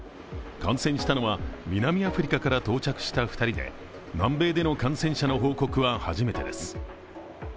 感染したのは、南アフリカから到着した２人で南米での感染者の報告は初めてです。